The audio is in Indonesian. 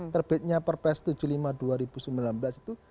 terbitnya perpres tujuh puluh lima dua ribu sembilan belas itu